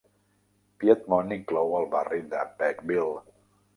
Piedmont inclou el barri de Beckville.